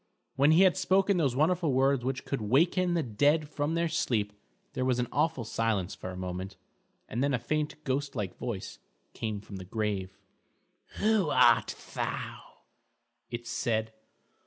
When he had spoken those wonderful words which could waken the dead from their sleep, there was an awful silence for a moment, and then a faint ghost like voice came from the grave. "Who art thou?" it said.